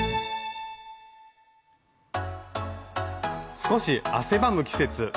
少し汗ばむ季節。